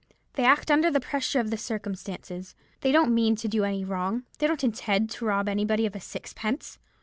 They act under the pressure of circumstances. They don't mean to do any wrong—they don't intend to rob any body of a sixpence.